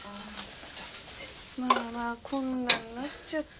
まあまあこんなになっちゃって。